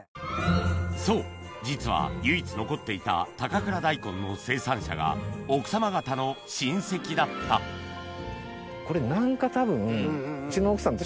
そう実は唯一残っていた高倉ダイコンの生産者が奥様方の親戚だったこれ何か多分。